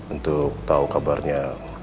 untuk tau kabarnya